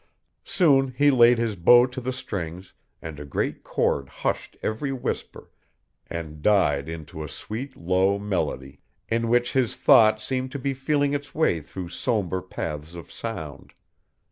Soon he laid his bow to the strings and a great chord hushed every whisper and died into a sweet, low melody, in which his thought seemed to be feeling its way through sombre paths of sound.